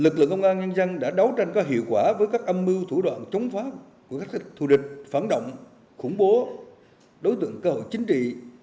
lực lượng công an nhân dân đã đấu tranh có hiệu quả với các âm mưu thủ đoạn chống phá của các thù địch phản động khủng bố đối tượng cơ hội chính trị